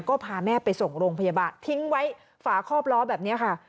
ก็พาแม่ไปส่งโรงพยาบาลทิ้งไว้ฝาคอบล้อแบบนี้ค่ะ